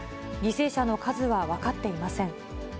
犠牲者の数は分かっていません。